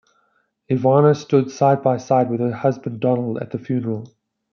Ivana stood side-by-side with her husband Donald at the funeral.